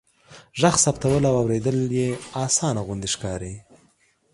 ږغ ثبتول او اوریدل يې آسانه غوندې ښکاري.